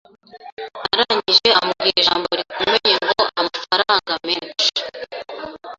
Arangije ambwira ijambo rikomeye ngo amafaranga menshi